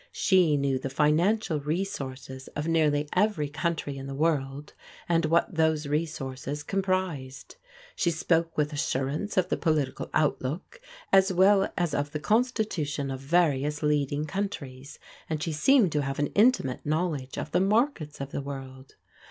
She knew the financial resources of nearly every country in the world, and what those resources comprised. She spoke with assurance of the political outlook as well as of the constitution of various leading countries, and she seemed to have an intimate knowledge of the markets of the world.